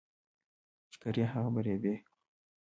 چي کرې، هغه به رېبې.